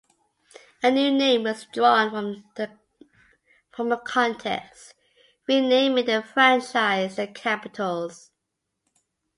A new name was drawn from a contest, renaming the franchise the "Capitals".